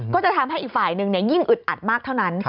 ก็จะทำให้อีกฝ่ายหนึ่งยิ่งอึดอัดมากเท่านั้น